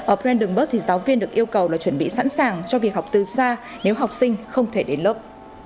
ở brandenburg thì giáo viên được yêu cầu là chuẩn bị sẵn sàng cho việc học từ xa nếu học sinh không thể đến lớp